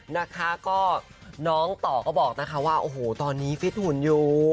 นะคะก็น้องต่อก็บอกนะคะว่าโอ้โหตอนนี้ฟิตหุ่นอยู่